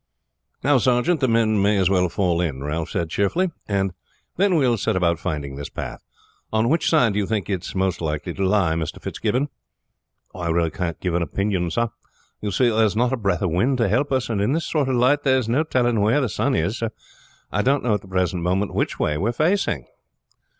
"Now, sergeant, the men may as well fall in," Ralph said cheerfully, "and then we will set about finding this path. On which side do you think it is most likely to lie, Mr. Fitzgibbon?" "I really can't give an opinion, sir. You see there is not a breath of wind to help us, and in this sort of light there is no telling where the sun is, so I don't know at the present moment which way we are facing."